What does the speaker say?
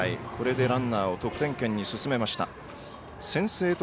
これでランナーを得点圏に進めました。